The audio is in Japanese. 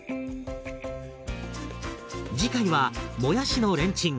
次回はもやしのレンチン。